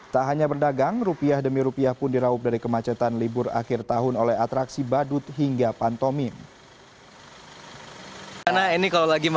tak hanya berdagang rupiah demi rupiah pun diraup dari kemacetan libur akhir tahun oleh atraksi badut hingga pantomim